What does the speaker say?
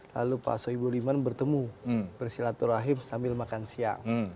lalu pak soebul iman bertemu bersilaturahim sambil makan siang